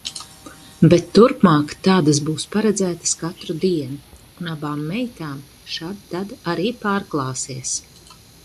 Bet turpmāk tādas būs paredzētas katru dienu, un abām meitām šad tad arī pārklāsies.